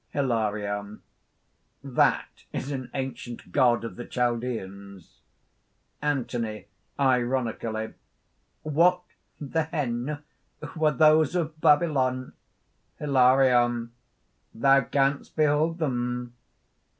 _) HILARION. "That is an ancient God of the Chaldæans!" ANTHONY (ironically). "What, then, were those of Babylon?" HILARION. "Thou canst behold them!"